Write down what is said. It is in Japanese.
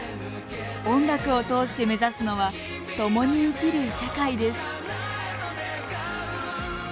音楽を通して目指すのは共に生きる社会です。